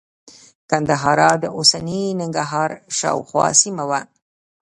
ګندهارا د اوسني ننګرهار شاوخوا سیمه وه